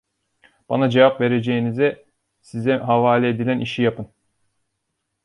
Bana cevap vereceğinize size havale edilen işi yapın!